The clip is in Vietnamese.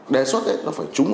đề xuất nó phải trúng